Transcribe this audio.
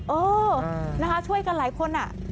เออนะคะช่วยกันหลายคน